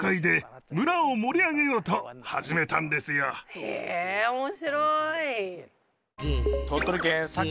へえ面白い。